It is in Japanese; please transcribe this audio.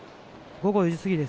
午後４時過ぎです。